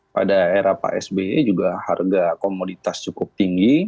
pada era pak sby juga harga komoditas cukup tinggi